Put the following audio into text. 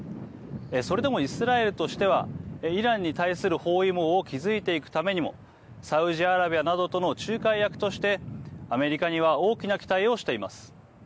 それでもイスラエルとしてはイランに対する包囲網を築いていくためにもサウジアラビアなどとの仲介役としてアメリカには大きな期待をしています。